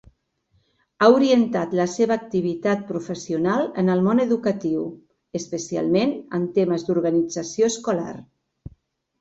Ha orientat la seva activitat professional en el món educatiu, especialment en temes d'organització escolar.